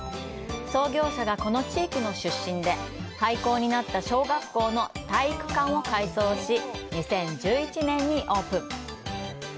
創業者がこの地域の出身で、廃校になった小学校の体育館を改装し、２０１１年にオープン。